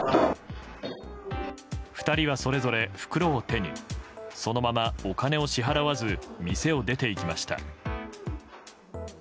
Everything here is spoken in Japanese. ２人はそれぞれ袋を手にそのままお金を支払わず店を出て行きました。